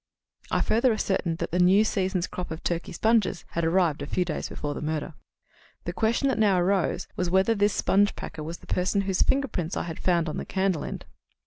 I further ascertained that the new season's crop of Turkey sponges had arrived a few days before the murder. "The question that now arose was, whether this sponge packer was the person whose fingerprints I had found on the candle end.